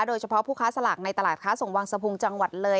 โดยเฉพาะผู้ค้าสลากในตลาดค้าส่งวังสะพุงจังหวัดเลย